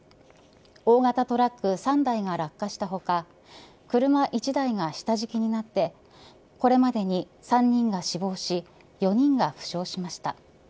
大型トラック３台が落下した他車１台が下敷きになってこれまでに３人が死亡し４人が負傷しました。